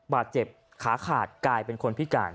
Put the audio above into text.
บาดเจ็บขาขาดกลายเป็นคนพิการ